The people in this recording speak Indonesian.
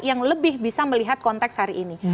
yang lebih bisa melihat konteks hari ini